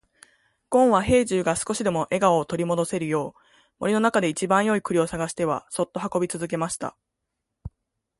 ごんは兵十が少しでも笑顔を取り戻せるよう、森の中で一番よい栗を探してはそっと運び続けました。